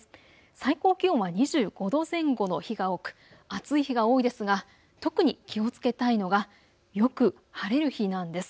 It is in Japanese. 最高気温は２５度前後の日が多く暑い日が多いですが特に気をつけたいのがよく晴れる日なんです。